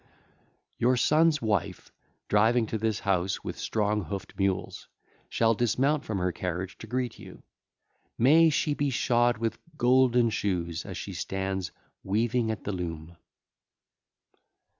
((LACUNA)) (ll. 8 10) Your son's wife, driving to this house with strong hoofed mules, shall dismount from her carriage to greet you; may she be shod with golden shoes as she stands weaving at the loom.